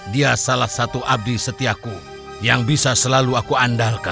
dia salah satu abdi setiaku yang bisa selalu aku andalkan